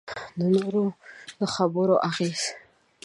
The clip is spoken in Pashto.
د نورو د خبرو اغېز.